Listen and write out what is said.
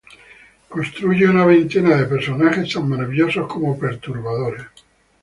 Construye una veintena de personajes tan maravillosos como perturbadores.